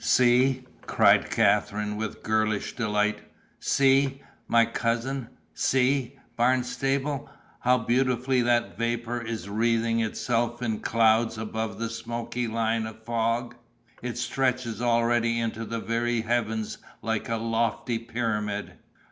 "See!" cried Katherine, with girlish delight, "see, my cousin! see, Barnstable! how beautifully that vapor is wreathing itself in clouds above the smoky line of fog! It stretches already into the very heavens like a lofty pyramid!"